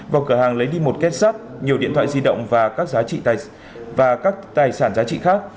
vào cửa hàng lấy đi một kết sắt nhiều điện thoại di động và các tài sản giá trị khác